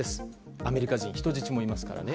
アメリカ人、人質もいますからね。